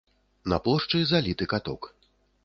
На плошчы заліты каток.